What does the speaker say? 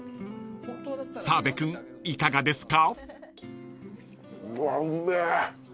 ［澤部君いかがですか？］